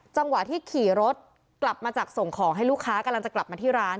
จังหวะที่ขี่รถกลับมาจากส่งของให้ลูกค้ากำลังจะกลับมาที่ร้าน